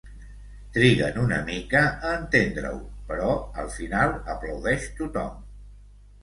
Triguen una mica a entendre-ho, però al final aplaudeix tothom.